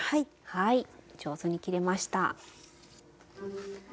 はい上手に切れました。